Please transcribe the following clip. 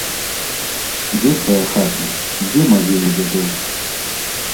Дзе твая хата, дзе магілы дзядоў?